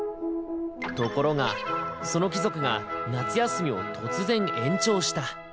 ところがその貴族が夏休みを突然延長した。